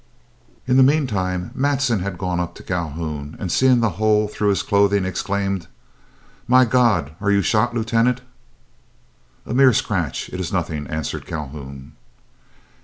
In the mean time Matson had gone up to Calhoun, and seeing the hole through his clothing, exclaimed. "My God! are you shot, Lieutenant?" "A mere scratch; it's nothing," answered Calhoun.